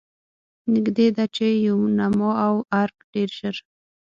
نږدې ده چې یوناما او ارګ ډېر ژر.